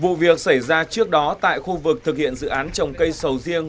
vụ việc xảy ra trước đó tại khu vực thực hiện dự án trồng cây sầu riêng